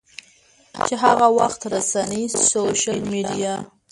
چې هغه وخت رسنۍ، سوشل میډیا